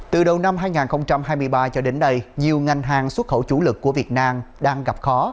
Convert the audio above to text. từ đầu năm hai nghìn hai mươi ba cho đến nay nhiều ngành hàng xuất khẩu chủ lực của việt nam đang gặp khó